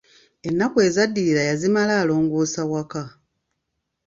Ennaku ezaddirira yazimala alongoosa waka.